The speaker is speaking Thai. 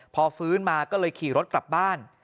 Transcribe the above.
พอฟื้นมาก็เลยขี่รถกลับบ้าน